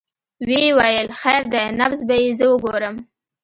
ويې ويل خير دى نبض به يې زه وګورم.